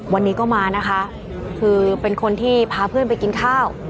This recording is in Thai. วันนี้ก็มานะคะคือเป็นคนที่พาเพื่อนไปกินข้าว